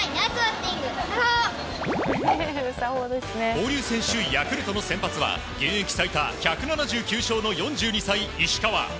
交流戦首位ヤクルトの先発は現役最多１７９勝の４２歳の石川。